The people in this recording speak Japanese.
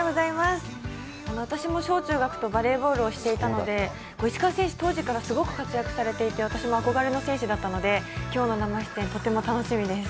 私も小・中学とバレーボールをしていたので石川選手、当時からすごく活躍されていて私も憧れの選手だったので今日の生出演とても楽しみです。